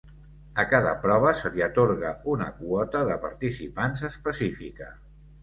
A cada prova se li atorga una quota de participants específica.